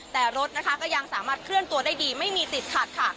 แต่รถนะคะก็ยังสามารถเคลื่อนตัวได้ดีไม่มีติดขัดค่ะ